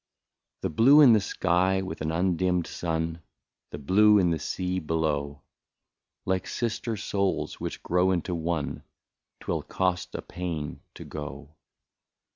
The blue in the sky with an undimmed sun, The blue in the ^ea below, Like sister souls, which grow into one ;— 'T will cost a pain to go.